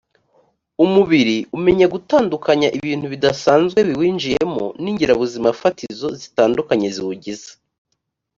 umubiri umenya gutandukanya ibintu bidasanzwe biwinjiyemo n’ingirabuzimafatizo zitandukanye ziwugize